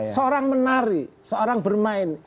seorang menari seorang bermain